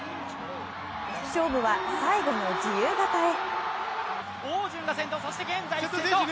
勝負は最後の自由形へ。